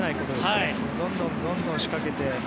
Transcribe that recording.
どんどんどんどん仕掛けて。